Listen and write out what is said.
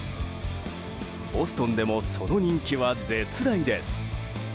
ボストンでもその人気は絶大です。